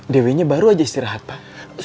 dewinya baru aja istirahat pak